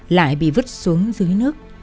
lại bị vứt xuống dưới nước